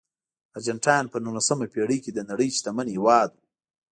ارجنټاین په نولسمه پېړۍ کې د نړۍ شتمن هېواد و.